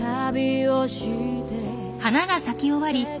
花が咲き終わり